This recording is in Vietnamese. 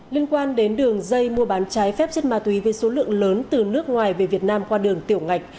liên quan đến đường dây mua bán trái phép chất ma túy với số lượng lớn từ nước ngoài về việt nam qua đường tiểu ngạch